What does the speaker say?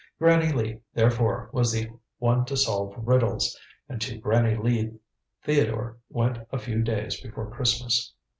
Granny Lee, therefore, was the one to solve riddles, and to Granny Lee Theodore went a few days before Christmas.